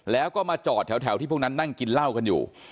แล้วก็มาจอดแถวที่พวกนั้นนั่งกินเหล้ากันอยู่